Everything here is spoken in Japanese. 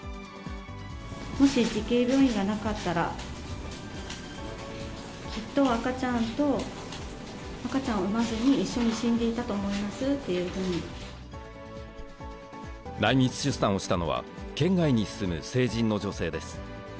もし慈恵病院がなかったら、きっと赤ちゃんを産まずに一緒に死んでいたと思いますっていうふ内密出産をしたのは、県外に住む成人の女性です。